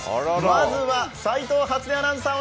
まずは斉藤初音アナウンサー